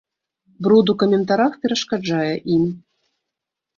Бруд у каментарах перашкаджае ім.